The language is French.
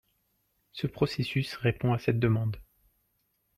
Ce processus répond à cette demande.